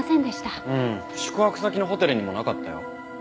うん宿泊先のホテルにもなかったよ。